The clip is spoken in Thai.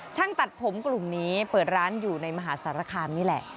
ช่างตัดผมกลุ่มนี้เปิดร้านอยู่ในมหาสารคามนี่แหละ